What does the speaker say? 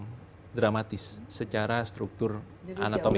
pengerutan yang dramatis secara struktur anatomik